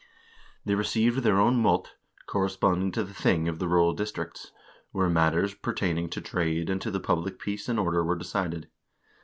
They received their own m6t, corresponding to the thing of the rural districts, where matters pertaining to trade and to the public peace and order were decided.